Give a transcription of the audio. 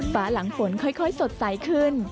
หลังฝนค่อยสดใสขึ้น